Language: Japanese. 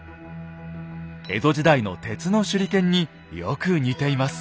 江戸時代の鉄の手裏剣によく似ています。